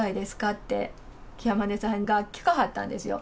って、ケアマネさんが聞かはったんですよ。